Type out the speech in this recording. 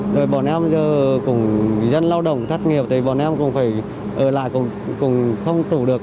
rồi bọn em giờ cũng dân lao động thất nghiệp thì bọn em cũng phải ở lại cũng không phụ được